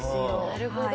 なるほど。